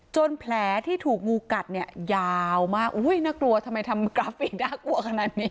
แผลที่ถูกงูกัดเนี่ยยาวมากอุ้ยน่ากลัวทำไมทำกราฟิกน่ากลัวขนาดนี้